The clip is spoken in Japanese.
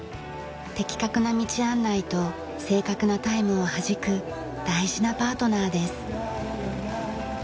的確な道案内と正確なタイムをはじく大事なパートナーです。